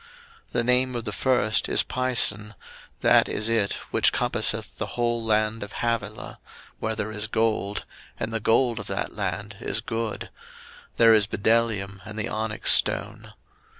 01:002:011 The name of the first is Pison: that is it which compasseth the whole land of Havilah, where there is gold; 01:002:012 And the gold of that land is good: there is bdellium and the onyx stone.